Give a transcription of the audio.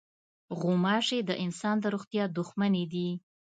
غوماشې د انسان د روغتیا دښمنې دي.